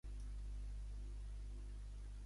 És la base principal de la marina iraniana.